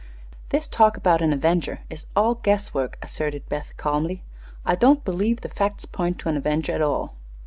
"This talk about an avenger is all guess work," asserted Beth, calmly. "I don't believe the facts point to an avenger at all."